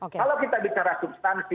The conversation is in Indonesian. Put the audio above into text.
kalau kita bicara substansi